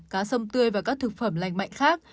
cá sông tươi và các thực phẩm lành mạnh khác